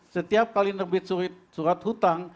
setiap kali terbit surat utang